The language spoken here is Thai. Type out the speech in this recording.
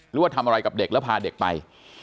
หรือว่าทำอะไรกับเด็กแล้วพาเด็กไป